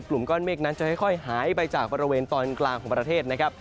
กลุ่มก้อนเมฆนั้นจะค่อยหายไปจากบริเวณตอนกลางของประเทศนะครับ